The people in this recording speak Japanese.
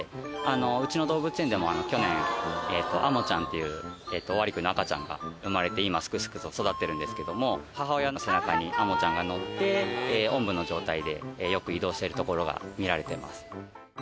うちの動物園でも去年アモちゃんっていうオオアリクイの赤ちゃんが生まれて今すくすくと育っているんですけども母親の背中にアモちゃんがのっておんぶの状態でよく移動してるところが見られてます。